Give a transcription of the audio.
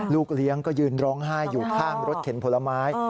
ลูกเลี้ยงก็ยืนร้องไห้อยู่ข้างรถเข็นผลไม้